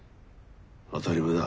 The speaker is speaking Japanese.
当たり前だ。